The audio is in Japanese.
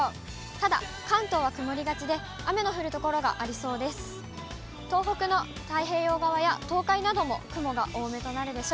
ただ関東は曇りがちで、雨の降る所がありそうです。